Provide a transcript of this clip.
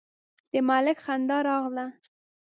د ملک خندا راغله: